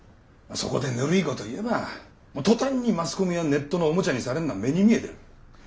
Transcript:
そこでぬるいこと言えば途端にマスコミやネットのおもちゃにされるのは目に見えてる。